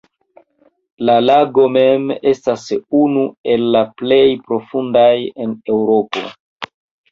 La lago mem, estas unu el la plej profundaj en Eŭropo.